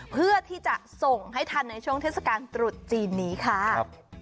เพื่อที่จะส่งให้ทันในช่วงเทศกาลตรุษจีนนี้ค่ะ